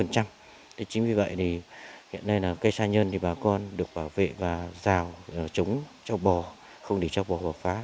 thế chính vì vậy thì hiện nay là cây sa nhân thì bà con được bảo vệ và rào chống cho bò không để cho bò vào phá